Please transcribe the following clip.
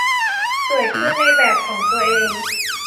สวยขึ้นในแบบของตัวเอง